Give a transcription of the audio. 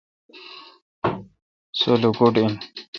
سو لوکوٹ این۔